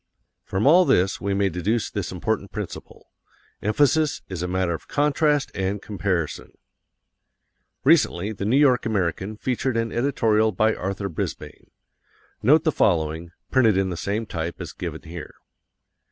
From all this we may deduce this important principle: EMPHASIS is a matter of CONTRAST and COMPARISON. Recently the New York American featured an editorial by Arthur Brisbane. Note the following, printed in the same type as given here.